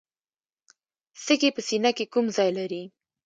سږي په سینه کې کوم ځای لري